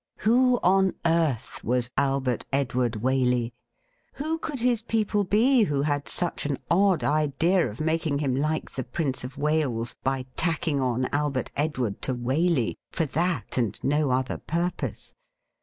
Who on earth was Albert Edward Waley ? Who could his people be who had such an odd idea of making him like the Prince of Wales by tacking on Albert Edward to Waley — for that and no other purpose